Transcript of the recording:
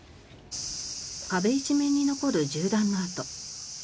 壁一面に残る銃弾の跡。